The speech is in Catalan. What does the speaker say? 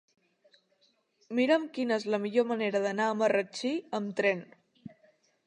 Mira'm quina és la millor manera d'anar a Marratxí amb tren.